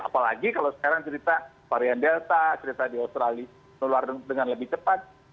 apalagi kalau sekarang cerita varian delta cerita di australia menular dengan lebih cepat